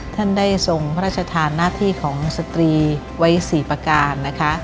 ท่านได้ทรงพระราชธานหน้าที่ของสตรีวัยสี่ปาการ